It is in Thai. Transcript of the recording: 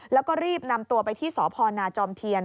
แล้วก็รีบนำตัวไปที่สพนาจอมเทียน